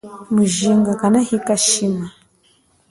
Mujinga kanahika shima.